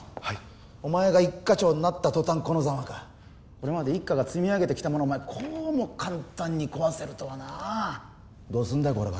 はいお前が一課長になった途端このざまかこれまで一課が積み上げてきたものをお前こうも簡単に壊せるとはなあどうすんだよ？